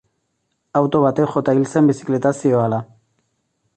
Auto batek jota hil zen bizikletaz zihoala.